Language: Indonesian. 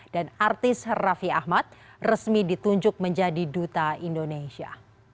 dan artis raffi ahmad resmi ditunjuk menjadi duta indonesia